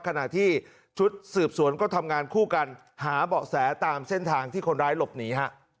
ขณะที่ชุดสืบสวนก็ทำงานคู่กันหาเบาะแสตามเส้นทางที่คนร้ายหลบหนีฮะ